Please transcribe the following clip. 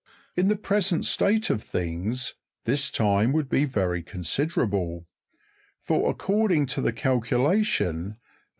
In the present state of things, this time would be very considerable; for, according to the calculation of M.